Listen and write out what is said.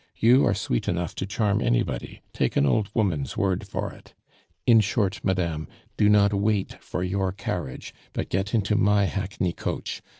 You are sweet enough to charm anybody, take an old woman's word for it! In short, madame, do not wait for your carriage, but get into my hackney coach.